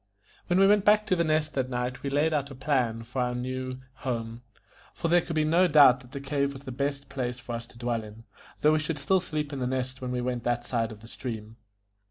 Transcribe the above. When we went back to The Nest that night we laid out a plan for our new home, for there could be no doubt that the cave was the best place for us to dwell in, though we should still sleep in The Nest when we went on that side of the stream.